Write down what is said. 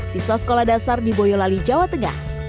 siswa sekolah dasar di boyolali jawa tengah